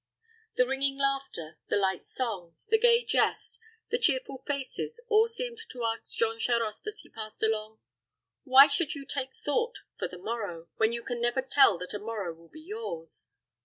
The ringing laughter, the light song, the gay jest, the cheerful faces, all seemed to ask Jean Charost, as he passed along, "Why should you take thought for the morrow, when you can never tell that a morrow will be yours?